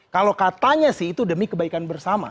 kalau katanya sih itu demi kebaikan bersama